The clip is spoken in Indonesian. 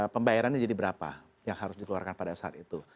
pembayarannya jadi berapa yang harus dikeluarkan pada saat itu